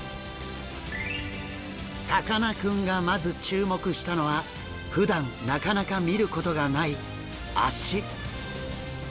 さかなクンがまず注目したのはふだんなかなか見ることがない脚。